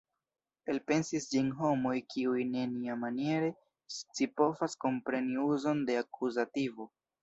Elpensis ĝin homoj kiuj neniamaniere scipovas kompreni uzon de akuzativo.